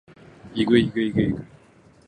ｲｸﾞｲｸﾞｲｸﾞｲｸﾞ